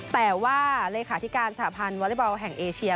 แต่ว่าเลขาธิการสหพันธ์วอเล็กบอลแห่งเอเชีย